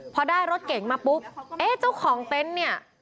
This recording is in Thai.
พอได้รถเก๋งมาปุ๊บเอ๊ะเจ้าของเต็นต์เนี่ย